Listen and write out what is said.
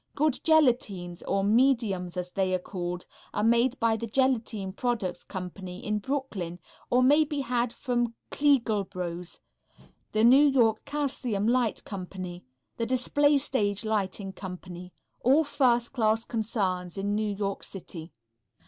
Good gelatines, or "mediums" as they are called, are made by the Gelatine Products Company, in Brooklyn, or may be had from Kliegl Bros., the New York Calcium Light Co., the Display Stage Lighting Co., all first class concerns in New York City.